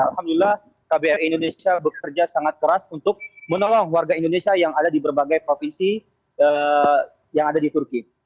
alhamdulillah kbri indonesia bekerja sangat keras untuk menolong warga indonesia yang ada di berbagai provinsi yang ada di turki